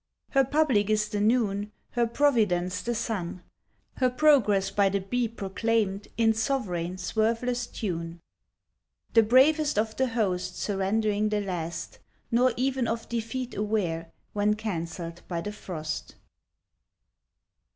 Her public is the noon, Her providence the sun, Her progress by the bee proclaimed In sovereign, swerveless tune. The bravest of the host, Surrendering the last, Nor even of defeat aware When cancelled by the frost.